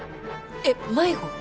えっ迷子？